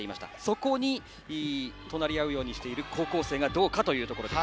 そこに隣り合うようにしている高校生がどうかというところです。